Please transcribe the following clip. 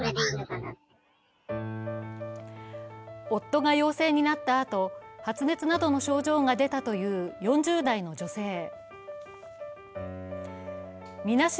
夫が要請になったあと、発熱などの症状が出たという４０代の女性。